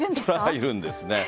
いるんです。